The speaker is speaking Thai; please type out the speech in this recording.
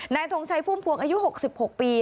ทงชัยพุ่มพวงอายุ๖๖ปี